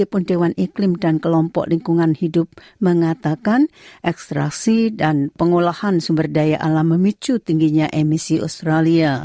pemerintah victoria mengatakan ekstrasi dan pengolahan sumber daya alam memicu tingginya emisi australia